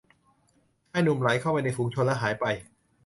ชายหนุ่มไหลเข้าไปในฝูงชนและหายไป